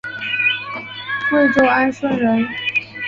贵州安顺人。